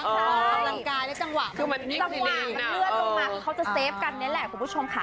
กำลังกายในจังหวะมันเลือดลงมาเขาจะเซฟกันนี่แหละคุณผู้ชมค่ะ